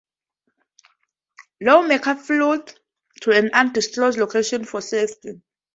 Lawmakers fled to an undisclosed location for safety.